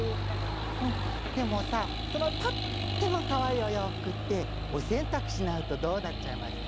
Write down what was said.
でもさ、そのとってもかわいいお洋服って、お洗濯しないとどうなっちゃいますか。